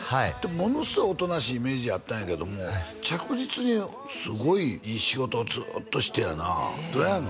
ものすごいおとなしいイメージあったんやけども着実にすごいいい仕事ずっとしてやなどうやの？